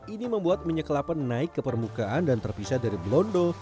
ini membuat minyak kelapa naik ke permukaan dan terpisah dari belondo